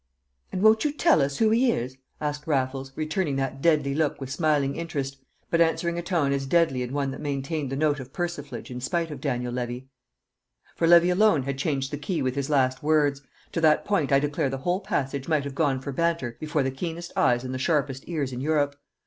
"And won't you tell us who he is?" asked Raffles, returning that deadly look with smiling interest, but answering a tone as deadly in one that maintained the note of persiflage in spite of Daniel Levy. For Levy alone had changed the key with his last words; to that point I declare the whole passage might have gone for banter before the keenest eyes and the sharpest ears in Europe.